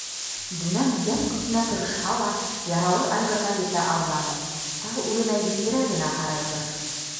Дүнән йән көсөнә тырышһа ла яралы айғырға етә алманы: тау үренә елдерә генә Һарайғыр.